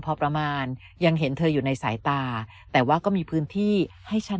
พอประมาณยังเห็นเธออยู่ในสายตาแต่ว่าก็มีพื้นที่ให้ฉัน